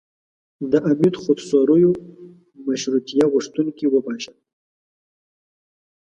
د امیر خودسریو مشروطیه غوښتونکي وپاشل.